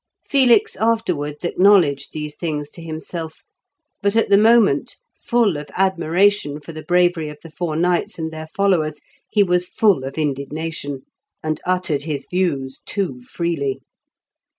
Felix afterwards acknowledged these things to himself, but at the moment, full of admiration for the bravery of the four knights and their followers, he was full of indignation, and uttered his views too freely.